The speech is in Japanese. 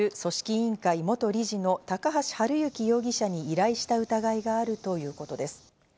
委員会元理事の高橋治之容疑者に依頼した疑いがあるということです。